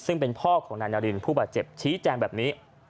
ซึ่งเป็นพ่อของนายนารินผู้บาดเจ็บชี้แจงแบบนี้